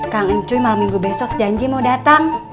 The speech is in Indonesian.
kangen cuy malam minggu besok janji mau datang